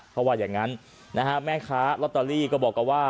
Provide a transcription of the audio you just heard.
เพราะว่าอย่างนั้นนะฮะแม่ค้าลอตเตอรี่ก็บอกกับว่า